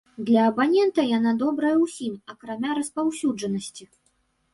Для абанента яна добрая ўсім, акрамя распаўсюджанасці.